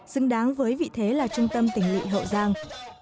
xứng đáng với vị thế là trung tâm tỉnh lị hậu giang